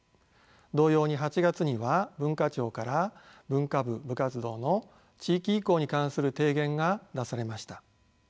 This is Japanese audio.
同様に８月には文化庁から文化部部活動の地域移行に関する提言が出されました。